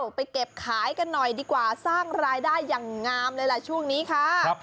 ไปเก็บขายกันหน่อยดีกว่าสร้างรายได้อย่างงามเลยล่ะช่วงนี้ค่ะ